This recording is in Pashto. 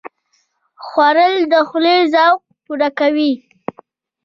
خوړل د خولې ذوق پوره کوي